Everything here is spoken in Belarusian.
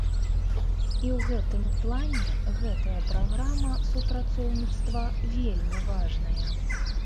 І ў гэтым плане гэтая праграма супрацоўніцтва вельмі важная.